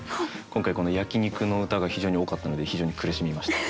今回この焼き肉の歌が非常に多かったので非常に苦しみました。